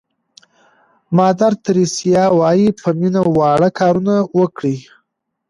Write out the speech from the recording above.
مادر تریسیا وایي په مینه واړه کارونه وکړئ.